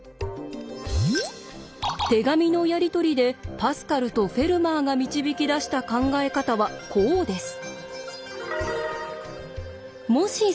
手紙のやり取りでパスカルとフェルマーが導き出した考え方はこうです。